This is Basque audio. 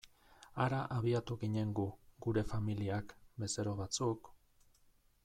Hara abiatu ginen gu, gure familiak, bezero batzuk...